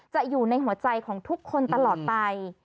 อยู่ในหัวใจของทุกคนตลอดไป